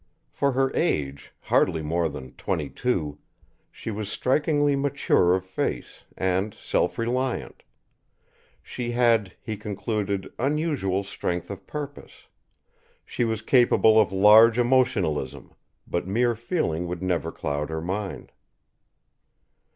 For her age hardly more than twenty two she was strikingly mature of face, and self reliant. She had, he concluded, unusual strength of purpose; she was capable of large emotionalism, but mere feeling would never cloud her mind.